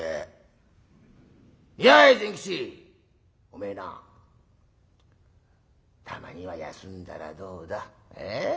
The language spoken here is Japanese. お前なたまには休んだらどうだ？え？